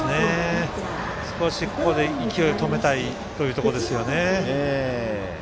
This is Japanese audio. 少しここで勢いを止めたいというところですよね。